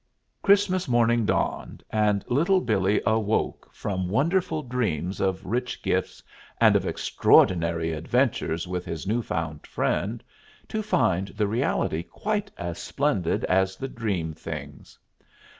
Christmas morning dawned, and Little Billee awoke from wonderful dreams of rich gifts, and of extraordinary adventures with his new found friend, to find the reality quite as splendid as the dream things.